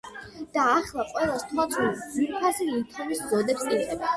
და ახლა ყველას თვალწინ ძვირფასი ლითონის ზოდებს იღებენ.